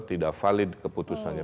tidak valid keputusannya